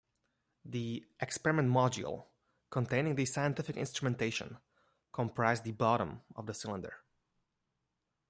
The experiment module, containing the scientific instrumentation, comprised the bottom of the cylinder.